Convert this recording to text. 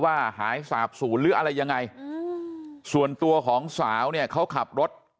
หายสาบศูนย์หรืออะไรยังไงส่วนตัวของสาวเนี่ยเขาขับรถ